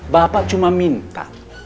bapak cuma minta